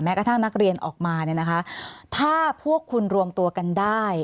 แม้กระทั่งนักเรียนออกมาถ้าพวกคุณรวมตัวกันได้